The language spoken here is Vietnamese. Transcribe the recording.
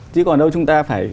chứ còn đâu chúng ta phải